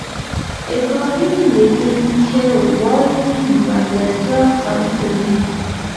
ابراهیم لینکلن وایي ملګرتیا قوي کوي.